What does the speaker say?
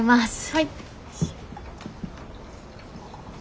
はい。